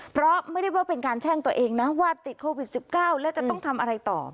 เพราะไม่ได้ว่าเป็นการแช่งตัวเองนะว่าติดโควิด๑๙แล้วจะต้องทำอะไรต่อ